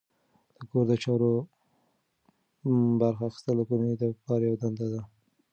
د کور د چارو برخه اخیستل د کورنۍ د پلار یوه دنده ده.